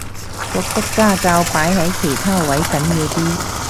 覺得家教擺喺其他位緊要啲